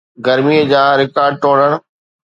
گرميءَ جا رڪارڊ ٽوڙڻ